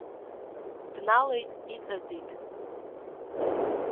Бналеит, иҵаӡит.